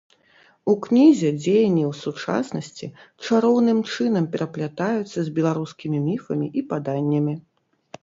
У кнізе дзеянні ў сучаснасці чароўным чынам пераплятаюцца з беларускімі міфамі і паданнямі.